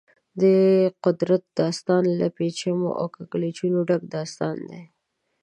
د قدرت داستان له پېچومو او کږلېچونو ډک داستان دی.